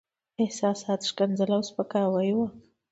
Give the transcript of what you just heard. احساسات، ښکنځل او سپکاوي وو.